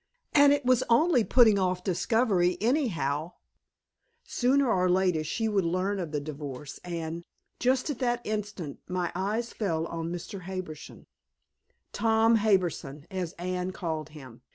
And it was only putting off discovery anyhow. Sooner or later, she would learn of the divorce, and Just at that instant my eyes fell on Mr. Harbison Tom Harbison, as Anne called him.